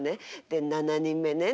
で７人目ね。